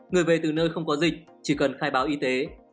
người về từ nơi không có dịch chỉ cần khai báo y tế